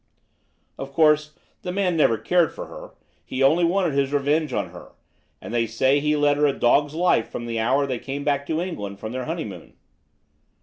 Of course, the man never cared for her; he only wanted his revenge on her, and they say he led her a dog's life from the hour they came back to England from their honeymoon."